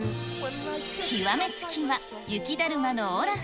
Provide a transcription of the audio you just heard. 極め付きは、雪だるまのオラフ。